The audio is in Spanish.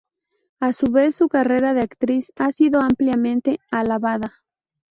A su vez, su carrera de actriz ha sido ampliamente alabada.